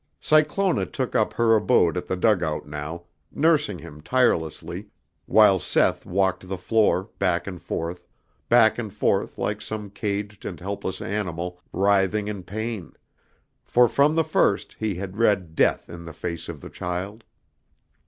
Cyclona took up her abode at the dugout now, nursing him tirelessly, while Seth walked the floor, back and forth, back and forth like some caged and helpless animal writhing in pain; for from the first he had read death in the face of the child.